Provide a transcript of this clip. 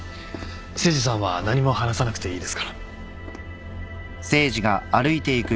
誠司さんは何も話さなくていいですから。